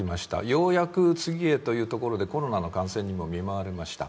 ようやく次へというところでコロナの感染にも見舞われました。